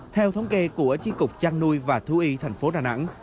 theo thống kê của tri cục chăn nuôi và thú y thành phố đà nẵng